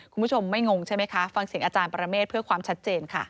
คุณผู้ชมไม่งงใช่ไหมคะฟังเสียงอาจารย์ปรเมฆเพื่อความชัดเจนค่ะ